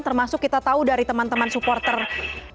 termasuk kita tahu dari teman teman sukarela